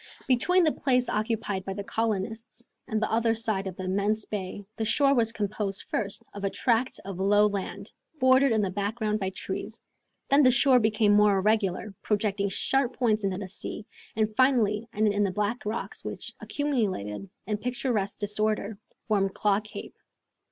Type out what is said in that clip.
Between the place occupied by the colonists and the other side of the immense bay, the shore was composed, first, of a tract of low land, bordered in the background by trees; then the shore became more irregular, projecting sharp points into the sea, and finally ended in the black rocks which, accumulated in picturesque disorder, formed Claw Cape.